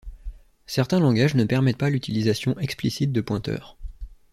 Certains langages ne permettent pas l'utilisation explicite de pointeurs.